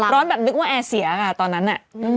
ร้อนแบบนึกว่าแอร์เสียค่ะตอนนั้นน่ะ